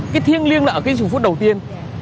cái thiêng liêng là ở cái giùng phút đầu tiên